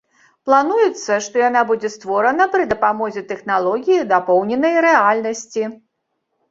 Плануецца, што яна будзе створана пры дапамозе тэхналогіі дапоўненай рэальнасці.